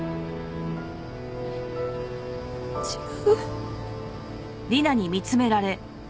違う？